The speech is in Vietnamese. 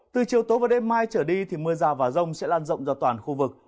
từ chiều tối và đêm mai trở đi thì mưa rào và rông sẽ lan rộng ra toàn khu vực